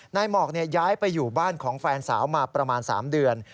หมอกย้ายไปอยู่บ้านของแฟนสาวมาประมาณ๓เดือน